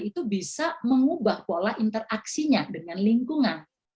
itu bisa mengubah pola interaksinya dengan lingkungan